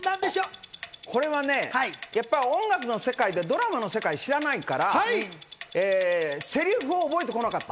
これはね、音楽の世界で、ドラマの世界を知らないからセリフを覚えてこなかった。